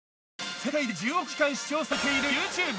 世界で１０億時間視聴されているＹｏｕＴｕｂｅ。